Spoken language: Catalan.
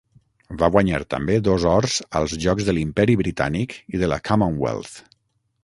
Va guanyar també dos ors als Jocs de l'Imperi Britànic i de la Commonwealth.